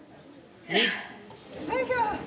よいしょ！